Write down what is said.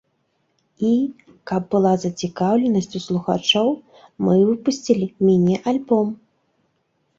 І, каб была зацікаўленасць у слухачоў, мы выпусцілі міні-альбом.